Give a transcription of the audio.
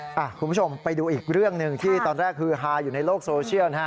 คุณผู้ชมไปดูอีกเรื่องหนึ่งที่ตอนแรกฮือฮาอยู่ในโลกโซเชียลนะฮะ